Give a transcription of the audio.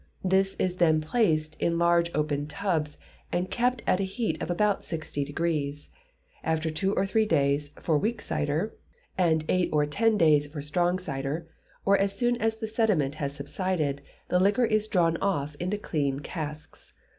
This is then placed in large open tubs, and kept at a heat of about sixty degrees. After two or three days for weak cider, and eight or ten days for strong cider, or as soon as the sediment has subsided, the liquor is drawn off into clean casks.